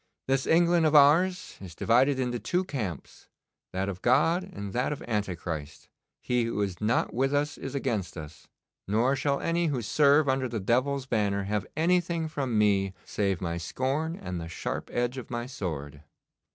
'This England of ours is divided into two camps, that of God and that of Antichrist. He who is not with us is against us, nor shall any who serve under the devil's banner have anything from me save my scorn and the sharp edge of my sword.